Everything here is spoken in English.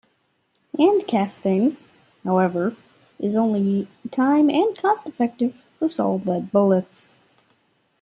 Hand-casting, however, is only time- and cost-effective for solid lead bullets.